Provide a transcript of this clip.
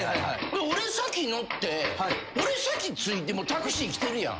俺先乗って俺先着いてタクシー来てるやん。